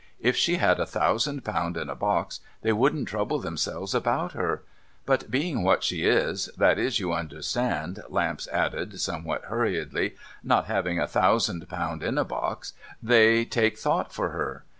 If she had a thousand pound in a box, they wouldn't trouble themselves about her ; but being what she is — that is, you understand,' Lamps added, somewhat hurriedly, ' not having a thousand pound in a box — they take thought for her.